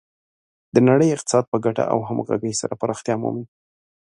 د نړۍ اقتصاد په ګډه او همغږي سره پراختیا مومي.